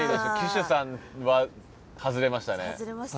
騎手さんは外れましたね。